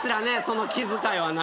その気遣いは。